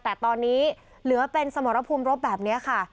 แต่ตอนนี้เหลือเป็นสมรภูมิรบแบบนี้ค่ะ